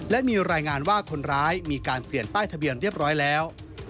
และมีรายงานว่าคนร้ายมีการเปลี่ยนป้ายทะเบียนเรียบร้อยแล้ว